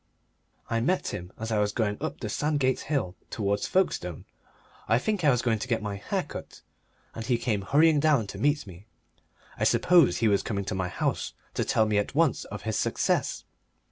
I met him as I was going up the Sandgate Hill towards Folkestone I think I was going to get my hair cut, and he came hurrying down to meet me I suppose he was coming to my house to tell me at once of his success.